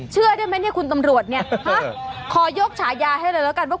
เชื่อได้ไหมเนี่ยคุณตำรวจเนี่ยฮะขอยกฉายาให้เลยแล้วกันว่า